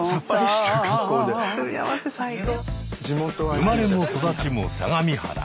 生まれも育ちも相模原。